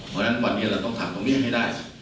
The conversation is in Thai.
เพราะฉะนั้นวันนี้เราต้องถามตรงนี้ให้ได้